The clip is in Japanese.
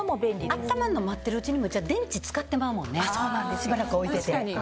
温まるの待ってるうちに電池使ってまうもんねしばらく置いてて。